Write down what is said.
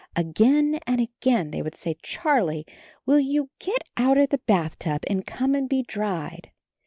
Again and again they would say, "Charlie, will you get out of the bathtub and come and be dried?"